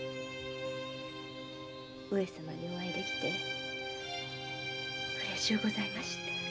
上様にお会いできてうれしゅうございました。